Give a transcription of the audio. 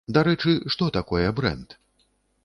Дарэчы, што такое брэнд?